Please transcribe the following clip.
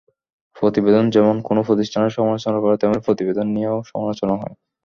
প্রতিবেদন যেমন কোনো প্রতিষ্ঠানের সমালোচনা করে, তেমনি প্রতিবেদন নিয়েও সমালোচনা হয়।